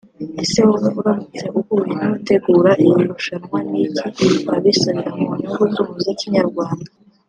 Ese wowe uramutse uhuye n’abategura iri rushanwa ni iki wabisabira mu nyungu z’umuziki nyarwanda